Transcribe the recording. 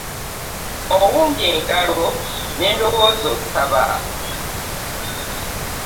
Owumbye engalo ne ndowooza osaba.